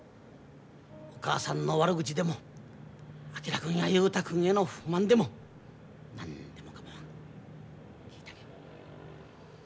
お母さんの悪口でも昭君や雄太君への不満でも何でも構わん聞いたげる。